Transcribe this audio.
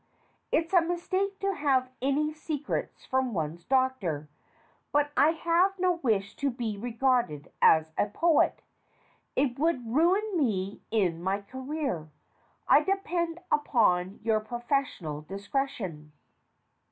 It's a mistake to have any secrets from one's doctor. But I have no wish to be regarded as a poet. It would ruin me in my career. I depend upon your professional discretion.